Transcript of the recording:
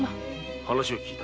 話は聞いた。